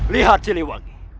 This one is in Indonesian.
lihat sini wak